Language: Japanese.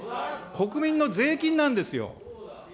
国民の税金なんですよ。